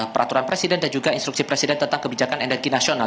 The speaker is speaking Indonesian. peraturan presiden dan juga instruksi presiden tentang kebijakan energi nasional